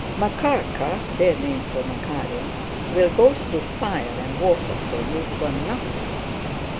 "Makárka" (their name for Makárin) "will go through fire and water for you for nothing.